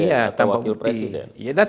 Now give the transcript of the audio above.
iya tanpa bukti